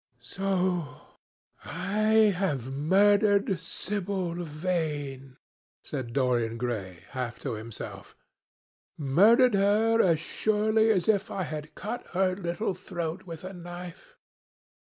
"So I have murdered Sibyl Vane," said Dorian Gray, half to himself, "murdered her as surely as if I had cut her little throat with a knife.